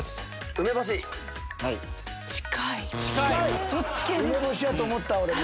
梅干しやと思った俺も。